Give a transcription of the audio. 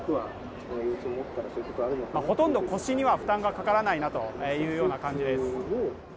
ほとんど腰には負担がかからないなというような感じです。